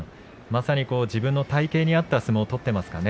まさに自分の体形に合った相撲を取っていますか。